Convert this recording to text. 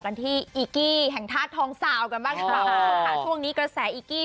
กันที่อีกกี้แห่งทาสทองเซาน์กันบ้างอ๋อค่ะช่วงนี้กระแสอีกกี้